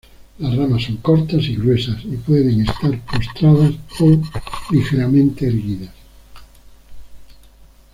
Las ramas son cortas y gruesas y pueden estar postradas o ligeramente erguidas.